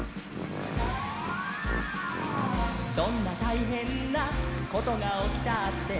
「どんなたいへんなことがおきたって」